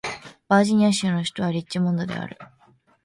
バージニア州の州都はリッチモンドである